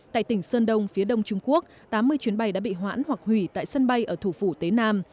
tại tỉnh sơn đông phía đông trung quốc tám mươi chuyến bay đã bị hoãn hoặc hủy tại sân bay ở thủ phủ tế nam